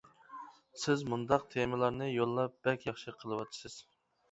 سىز مۇنداق تېمىلارنى يوللاپ بەك ياخشى قىلىۋاتىسىز.